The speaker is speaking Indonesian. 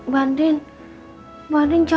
buat nama gua kagur ngerti ask